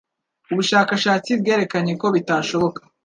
Ubushakashatsi bwerekanye ko bitashoboka